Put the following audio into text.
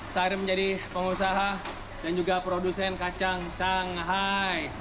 saya menjadi pengusaha dan juga produsen kacang shanghai